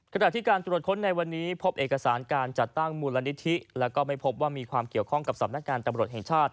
ขณะที่การตรวจค้นในวันนี้พบเอกสารการจัดตั้งมูลนิธิแล้วก็ไม่พบว่ามีความเกี่ยวข้องกับสำนักงานตำรวจแห่งชาติ